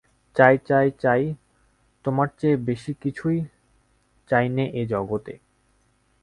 চাই, চাই, চাই, তোমার চেয়ে বেশি কিছুই চাই নে এ জগতে।